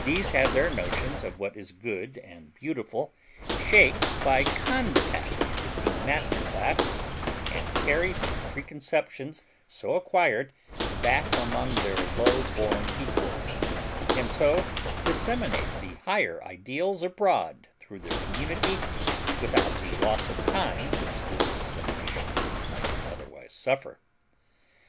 These have their notions of what is good and beautiful shaped by contact with the master class and carry the preconceptions so acquired back among their low born equals, and so disseminate the higher ideals abroad through the community without the loss of time which this dissemination might otherwise suffer.